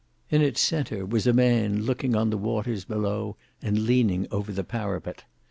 In its centre, was a man gazing on the waters below and leaning over the parapet.